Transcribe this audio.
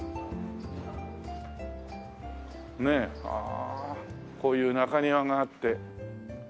ああこういう中庭があって。